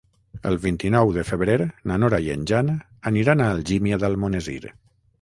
El vint-i-nou de febrer na Nora i en Jan aniran a Algímia d'Almonesir.